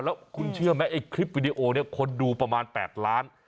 แล้วคุณเชื่อไหมไอ้คลิปวิดีโอเนี่ยคนดูประมาณ๘ล้าน